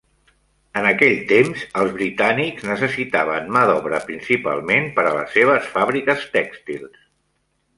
En aquell temps, els britànics necessitaven mà d'obra principalment per a les seves fàbriques tèxtils.